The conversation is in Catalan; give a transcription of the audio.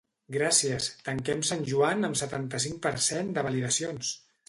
Gràcies, tanquem Sant Joan amb setanta-cinc per cent de validacions!